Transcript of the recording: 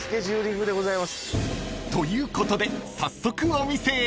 ［ということで早速お店へ］